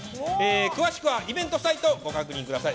詳しくはイベントサイトをご確認ください。